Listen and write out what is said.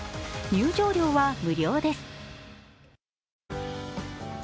入場料は無料です。